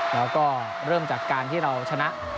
แล้วก็เริ่มจากการที่เราชนะ